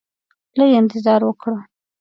لږ انتظار وکړه